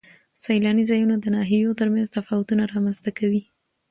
سیلاني ځایونه د ناحیو ترمنځ تفاوتونه رامنځ ته کوي.